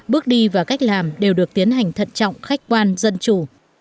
bước đi và cách làm đều được tiến hành thận trọng khách quan dân chủ